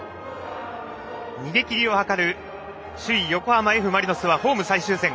逃げきりを図る首位、横浜Ｆ・マリノスはホーム最終戦。